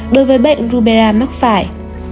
đối với bệnh rubella mắc phải